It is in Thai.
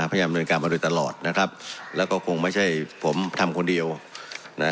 พยายามเนินการมาโดยตลอดนะครับแล้วก็คงไม่ใช่ผมทำคนเดียวนะ